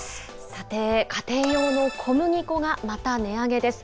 さて、家庭用の小麦粉がまた値上げです。